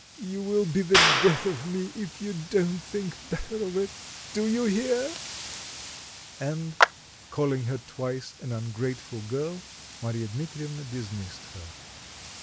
You will be the death of me, if you don't think better of it, do you hear?" And, calling her twice an ungrateful girl, Marya Dmitrievna dismissed her.